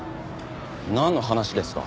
なんの話ですか？